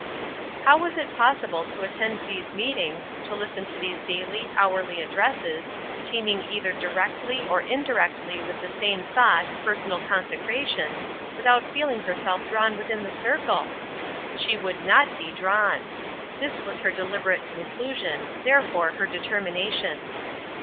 How was it possible to attend these meetings, to listen to these daily, hourly addresses, teeming either directly or indirectly with the same thought, personal consecration, without feeling herself drawn within the circle? She would not be drawn. This was her deliberate conclusion, therefore her determination.